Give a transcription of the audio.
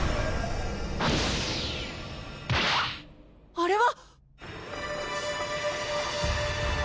あれは！